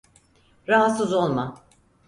Rahatsız olma.